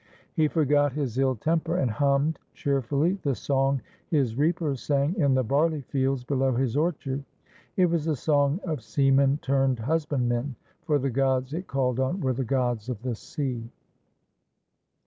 He forgot his ill temper, and hummed cheerfully the song his reapers sang in the barley fields below his orchard. It was a song of sea men turned husbandmen, for the gods it called on were the gods of the sea.